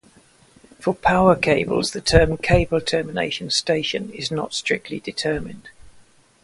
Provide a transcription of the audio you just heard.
For power cables the term cable termination station is not strictly determined.